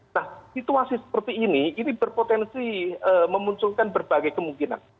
nah situasi seperti ini ini berpotensi memunculkan berbagai kemungkinan